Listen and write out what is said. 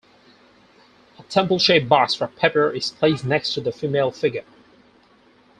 A temple-shaped box for pepper is placed next to the female figure.